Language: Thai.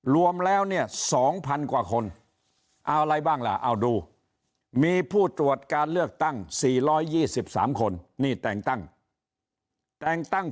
รวมแล้วเนี่ย๒๐๐๐กว่าคนเอาอะไรบ้างล่ะเอาดูมีผู้ตรวจการเลือกตั้ง๔๒๓คนนี่แต่งตั้งแต่งตั้ง